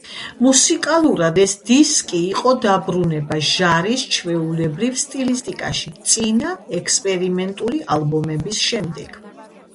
მუსიკალურად ეს დისკი იყო დაბრუნება ჟარის ჩვეულებრივ სტილისტიკაში, წინა ექსპერიმენტული ალბომების შემდეგ.